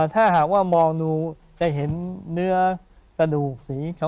ถ้าหากว่ามองดูจะเห็นเนื้อกระดูกสีขาว